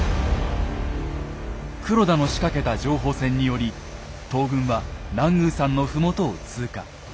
黒田の仕掛けた情報戦により東軍は南宮山の麓を通過。